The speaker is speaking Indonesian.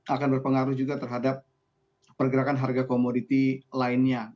akan berpengaruh juga terhadap pergerakan harga komoditi lainnya